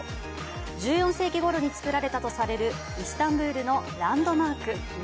１４世紀ごろに造られたとされるイスタンブルのランドマーク。